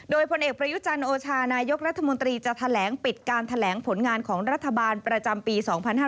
โดยผลเอกประยุจันทร์โอชานายกรัฐมนตรีจะแถลงปิดการแถลงผลงานของรัฐบาลประจำปี๒๕๕๙